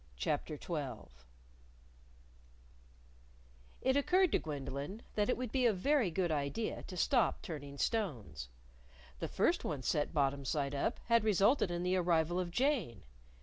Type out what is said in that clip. CHAPTER XII It occurred to Gwendolyn that it would be a very good idea to stop turning stones. The first one set bottom side up had resulted in the arrival of Jane.